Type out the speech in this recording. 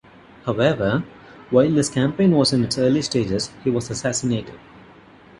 However, while this campaign was in its early stages, he was assassinated.